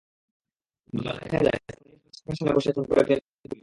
দোতালায় দেখা যায়, স্থানীয় সরকার শাখার সামনে বসে আছেন কয়েকজন পুলিশ।